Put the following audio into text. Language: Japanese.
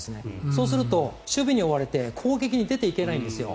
そうすると、守備に追われて攻撃に出ていけないんですよ。